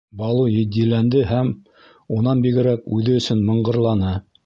Балу етдиләнде һәм, унан бигерәк, үҙе өсөн мыңғырланы: